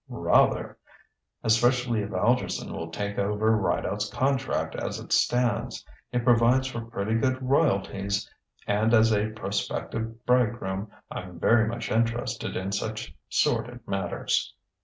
"Rather! Especially if Algerson will take over Rideout's contract as it stands. It provides for pretty good royalties, and as a prospective bridegroom I'm very much interested in such sordid matters."